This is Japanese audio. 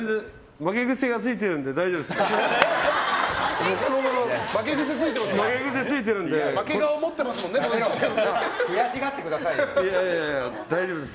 負け癖がついてるので大丈夫です。